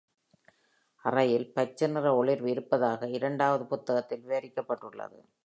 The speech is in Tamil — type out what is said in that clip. அறையில் பச்சை நிற ஒளிர்வு இருப்பதாக இரண்டாவது புத்தகத்தில் விவரிக்கப்பட்டுள்ளது.